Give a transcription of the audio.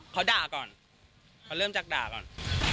เขาด่าก่อนเขาเริ่มจากด่าก่อน